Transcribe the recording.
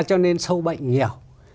cho nên sâu bệnh nhiều